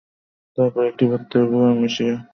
তারপর একটি পাত্রে সব উপকরণ মিশিয়ে ভালো করে মেখে নিন।